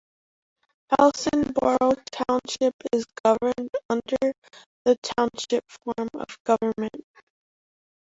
Elsinboro Township is governed under the Township form of government.